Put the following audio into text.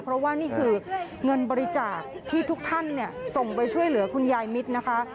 เพราะว่านี่คือเงินบริจาคที่ทุกท่านส่งไปช่วยเหลือคุณยายมิตรนะคะ